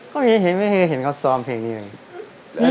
ก็เห็นไม่เคยเห็นเขาซ้อมเพลงนี้เลย